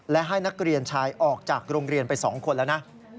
และให้นักเรียนชายออกจากโรงเรียนไป๒คนแล้วนะ